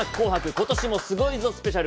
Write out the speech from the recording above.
今年もすごいぞスペシャル」。